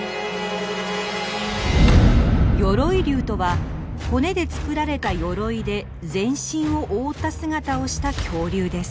鎧竜とは骨で作られた鎧で全身を覆った姿をした恐竜です。